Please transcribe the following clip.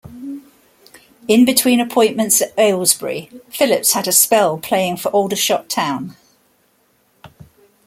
In between appointments at Aylesbury, Phillips had a spell playing for Aldershot Town.